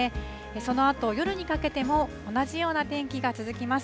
そのあと夜にかけても同じような天気が続きます。